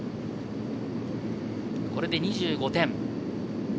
これで２５点。